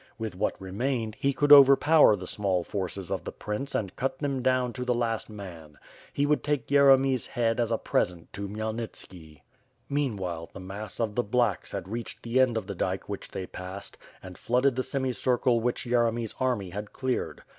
With what remained, he could overpower the small forces of the prince and cut them down to the last man. He would take Yeremy's head as a present to Khmyelnitski. Meanwhile, the mass of the "blacks" had reached the end of the dike which they passed, and flooded the semicircle which Yeremy's army had cleared.